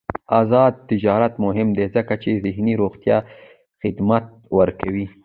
آزاد تجارت مهم دی ځکه چې ذهني روغتیا خدمات ورکوي.